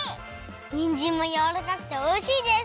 にんじんもやわらかくておいしいです！